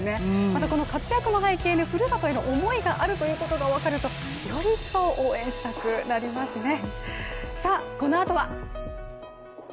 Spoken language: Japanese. またこの活躍の背景に故郷への思いがあると分かるとより一層、応援したくなりますね。